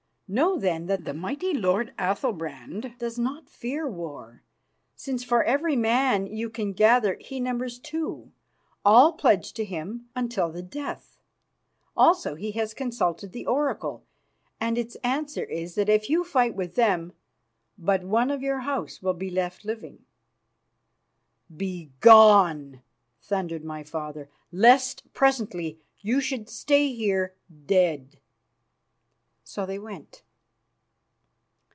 Know then that the mighty lord Athalbrand does not fear war, since for every man you can gather he numbers two, all pledged to him until the death. Also he has consulted the oracle, and its answer is that if you fight with him, but one of your House will be left living." "Begone!" thundered my father, "lest presently you should stay here dead." So they went.